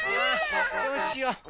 どうしよう？